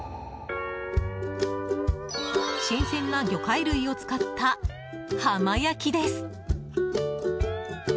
新鮮な魚介類を使った浜焼きです。